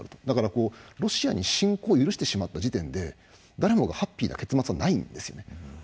だからロシアに侵攻を許してしまった時点で誰もがハッピーな結末はないんですよね。